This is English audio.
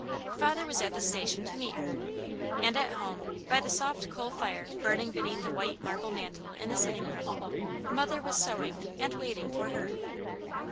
Father was at the station to meet her; and at home, by the soft coal fire burning beneath the white marble mantel in the sitting room, Mother was sewing and waiting for her.